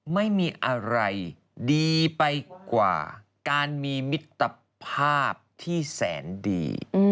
ไม่มีอะไรดีไปกว่าการมีมิตรภาพที่แสนดี